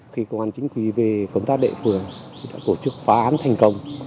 khi công an chính quy về công tác địa phương đã tổ chức phá án thành công